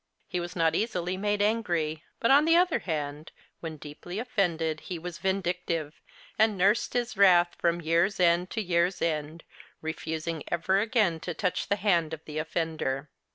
He was not easily made angry ; l)ut, on the other hand, when deeply offended, he was vindictive, and nursed his \\ rath from year's end to year's end, refusing ever again to touch the liand of the offender.